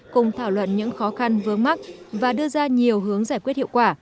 cùng thảo luận những khó khăn vướng mắt và đưa ra nhiều hướng giải quyết hiệu quả